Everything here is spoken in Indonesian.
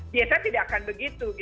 biasanya tidak akan begitu